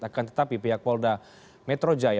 akan tetapi pihak polda metro jaya